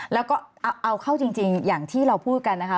แล้วก็เอาเข้าจริงอย่างที่เราพูดกันนะคะ